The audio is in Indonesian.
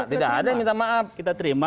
tidak ada yang minta maaf kita terima